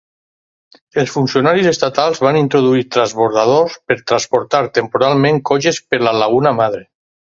Els funcionaris estatals van introduir transbordadors per transportar temporalment cotxes per la Laguna Madre.